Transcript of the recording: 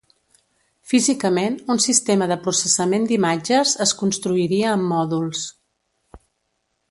Físicament, un sistema de processament d'imatges es construiria amb mòduls.